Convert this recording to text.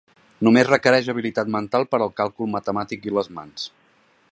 Només requereix habilitat mental per al càlcul matemàtic i les mans.